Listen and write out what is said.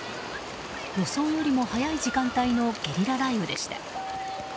予想よりも早い時間帯のゲリラ雷雨でした。